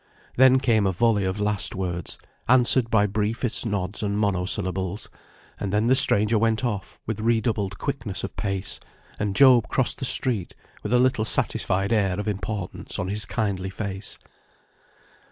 Then came a volley of last words, answered by briefest nods, and monosyllables; and then the stranger went off with redoubled quickness of pace, and Job crossed the street with a little satisfied air of importance on his kindly face.